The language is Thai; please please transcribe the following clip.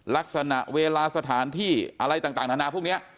ลักษณะเวลาสถานที่อะไรต่างนานาพวกนี้